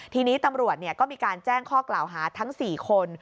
ทีนี้ตำรวจก็มีการแจ้งข้อกล่าวหาทั้ง๔คน